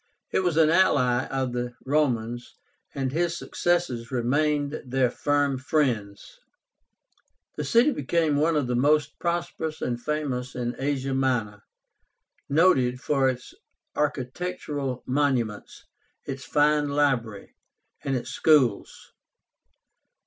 He was an ally of the Romans, and his successors remained their firm friends. The city became one of the most prosperous and famous in Asia Minor, noted for its architectural monuments, its fine library, and its schools.